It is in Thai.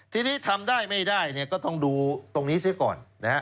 ทีนี้ทำได้ไม่ได้ก็ต้องดูตรงนี้ซิก่อน